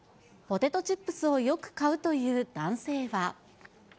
ポテトチップスをよく買うという男性は。